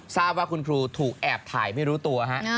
ทราบว่าคุณครูถูกแอบถ่ายไม่รู้ตัวฮะ